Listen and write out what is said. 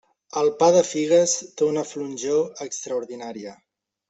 El pa de figues té una flonjor extraordinària.